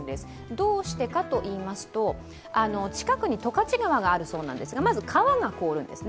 どうしてかといいますと、近くに十勝川があるそうなんですが、まず川が凍るんですね。